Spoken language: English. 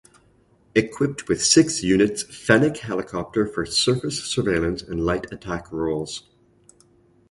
Equipped with six units Fennec helicopter for surface surveillance and light attack roles.